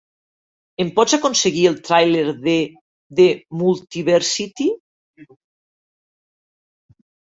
em pots aconseguir el tràiler de "The Multiversity"?